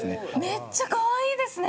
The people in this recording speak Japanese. めっちゃかわいいですね。